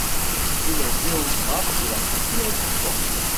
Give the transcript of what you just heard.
Il est géographe de la culture et du sport.